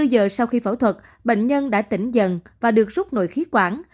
hai mươi bốn giờ sau khi phẫu thuật bệnh nhân đã tỉnh dần và được rút nổi khí quản